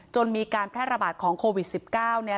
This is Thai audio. จนมีการแพร่ระบาดของโควิดสิบเก้าเนี่ย